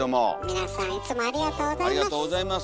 皆さんいつもありがとうございます。